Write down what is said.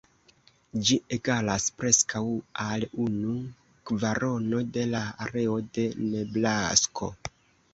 Ĝi egalas preskaŭ al unu kvarono de la areo de Nebrasko.